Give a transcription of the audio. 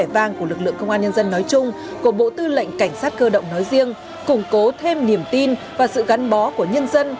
bộ tư lệnh cảnh sát cơ động nói riêng củng cố thêm niềm tin và sự gắn bó của nhân dân